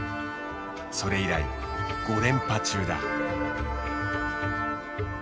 それ以来５連覇中だ。